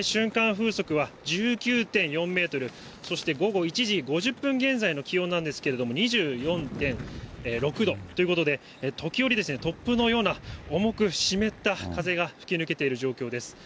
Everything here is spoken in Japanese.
風速は１９．４メートル、そして午後１時５０分現在の気温なんですけれども、２４．６度ということで、時折、突風のような重く湿った風が吹き抜けている状況です。